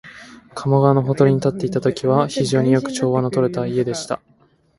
加茂川のほとりに建っていたときは、非常によく調和のとれた家でした